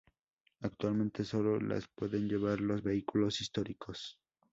Actualmente sólo las pueden llevar los vehículos históricos.